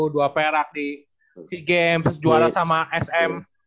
dua perak di sea games juara sama sm